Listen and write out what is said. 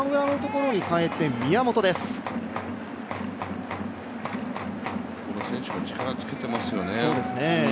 この選手も力つけてますよね。